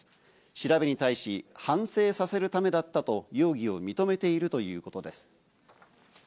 調べに対し反省させるためだったと容疑を認めているということです。